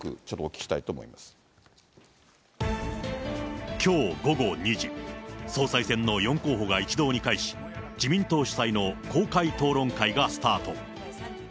きょう午後２時、総裁選の４候補が一堂に会し、自民党主催の公開討論会がスタート。